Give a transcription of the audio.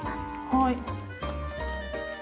はい。